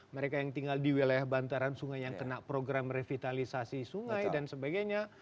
mereka yang tinggal di wilayah bantaran sungai yang kena program revitalisasi sungai dan sebagainya